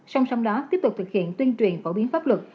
song song đó tiếp tục thực hiện tuyên truyền phổ biến pháp luật